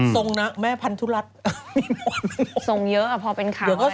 ทรงนะแม่พันธุรัตน์ไม่มีหมดทรงเยอะอะพอเป็นข่าวอะไรก็มา